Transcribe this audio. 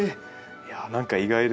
いやあ何か意外ですね。